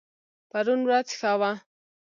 پرون ورځ ښه وه